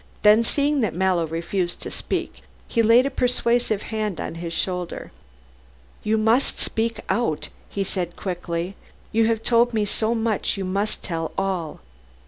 Then seeing that Mallow refused to speak, he laid a persuasive hand on his shoulder. "You must speak out," he said quickly, "you have told me so much you must tell me all.